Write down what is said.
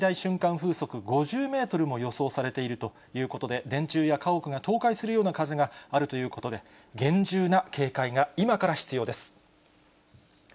風速５０メートルも予想されているということで、電柱や家屋が倒壊するような風があるということで、厳重な警戒が、今から必要です。